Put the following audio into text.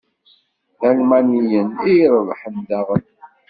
D Almaniyen i irebḥen daɣen.